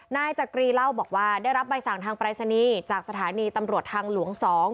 นายจักรีเล่าบอกว่าได้รับใบสั่งทางปรายศนีย์จากสถานีตำรวจทางหลวง๒